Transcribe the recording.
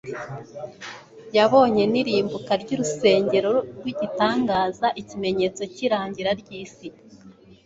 yabonye n'irimbuka ry'urusengero rw'igitangaza, ikimenyetso cy'irangira ry'isi.